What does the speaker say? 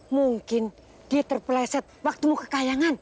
mungkin dia terpeleset waktu mau kekayangan